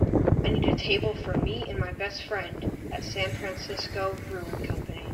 I need a table for me and my best friend at San Francisco Brewing Company.